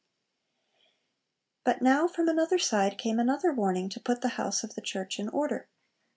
But now from another side came another warning to put the house of the Church in order.